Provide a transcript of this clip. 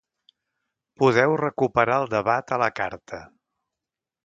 Podeu recuperar el debat a la carta.